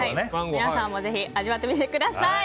皆さんもぜひ味わってみてください。